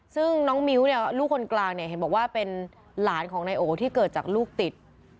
ซึ่งน้องมิ้วเนี่ยลูกคนกลางเนี่ยเห็นบอกว่าเป็นหลานของนายโอที่เกิดจากลูกติด